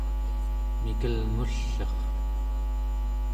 mikelngull'er